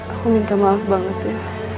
aku minta maaf banget ya